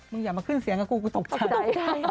อย่ามาขึ้นเสียงกับกูกูตกใจ